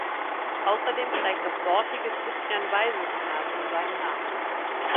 Außerdem trägt das dortige Christian-Weise-Gymnasium seinen Namen.